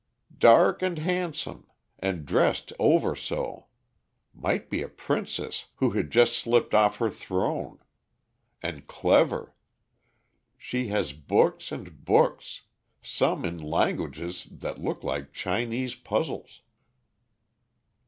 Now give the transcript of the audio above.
"Dark and handsome. And dressed over so. Might be a princess, who had just slipped off her throne. And clever. She had books and books, some in languages that look like Chinese puzzles."